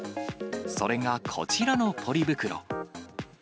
それがこちらのポリ袋。